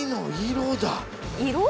色？